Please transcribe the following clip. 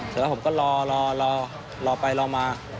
แล้วผมก็รอรอรอรอไปรอมา